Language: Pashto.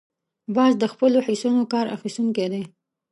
باز د خپلو حسونو کار اخیستونکی دی